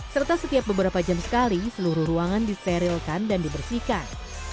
serta setiap beberapa jam sekali seluruh ruangan disterilkan dan dibersihkan